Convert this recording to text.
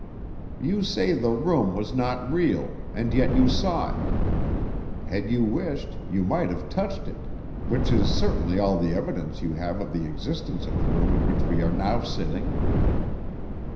You say the room was not real, and yet you saw it; had you wished, you might have touched it, which is certainly all the evidence you have of the existence of the room in which we are now sitting.